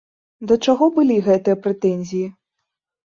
Да чаго былі гэтыя прэтэнзіі?